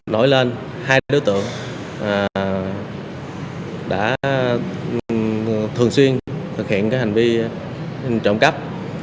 nổi lên hai đối tượng đã thường xuyên thực hiện hành vi trộm cắp